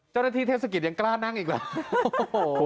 เจ้าหน้าที่เทศกิจยังกล้านั่งอีกหรือ